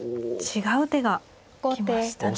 違う手が来ましたね。